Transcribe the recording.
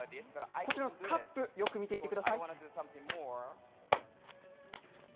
こちらのカップ、よく見ていてください。